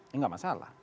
ya gak masalah